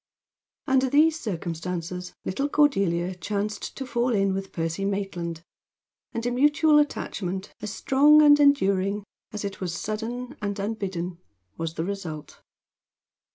Under these circumstances little Cordelia chanced to fall in with Percy Maitland, and a mutual attachment, as strong and enduring as it was sudden and unbidden, was the result.